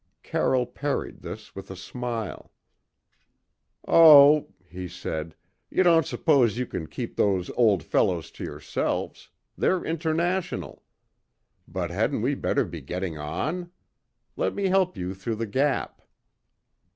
Carroll parried this with a smile. "Oh!" he said, "you don't suppose you can keep those old fellows to yourselves they're international. But hadn't we better be getting on? Let me help you through the gap."